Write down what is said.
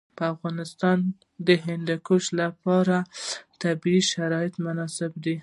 په افغانستان کې د هندوکش لپاره طبیعي شرایط مناسب دي.